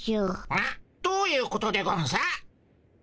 えっ？どういうことでゴンス？